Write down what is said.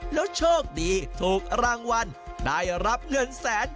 แล้วโชคดีถูกรางวัลได้รับเงินแสน